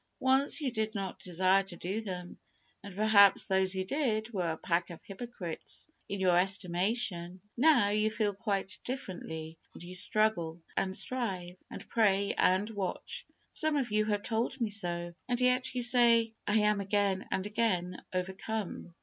Once you did not desire to do them, and, perhaps, those who did, were a pack of hypocrites, in your estimation. Now, you feel quite differently, and you struggle, and strive, and pray, and watch. Some of you have told me so, and yet you say, "I am again and again overcome."